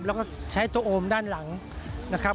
แล้วก็ใช้ตัวโอมด้านหลังนะครับ